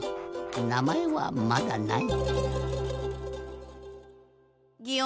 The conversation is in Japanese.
なまえはまだない。